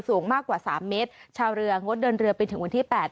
สูงมากกว่าสามเมตรชาวเรืองดเดินเรือไปถึงวันที่แปด